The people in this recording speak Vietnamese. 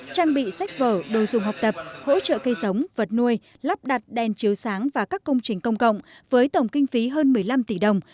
trang bị sách vở đồ dùng học tập hỗ trợ cây sống vật nuôi lắp đặt đèn chiếu sáng và các công trình công cộng với tổng kinh phí hơn một mươi năm tỷ đồng